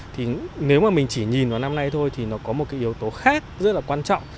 thì nếu mà mình chỉ nhìn vào năm nay thôi thì nó có một cái yếu tố khác rất là quan trọng